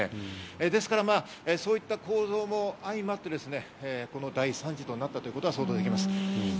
ですから、そういった構造も相まって、この大惨事となったということが想像できます。